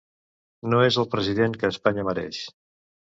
No és el president que Espanya mereix.